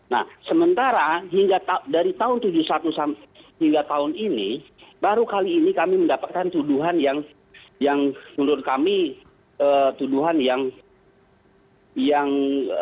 nah sementara hingga dari tahun seribu sembilan ratus tujuh puluh satu hingga tahun ini baru kali ini kami mendapatkan tuduhan yang menurut kami tuduhan yang